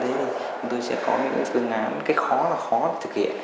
chúng tôi sẽ có những phương án cái khó là khó thực hiện